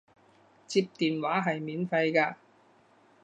接電話係免費㗎